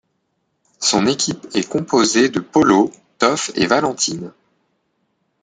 Son équipe est composée de Polo, Toph et Valentine.